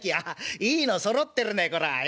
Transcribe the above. いいのそろってるねこらあええ？